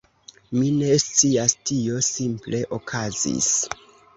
Mi ne scias, tio simple okazis.